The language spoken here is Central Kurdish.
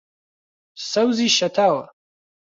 سەوزی شەتاوە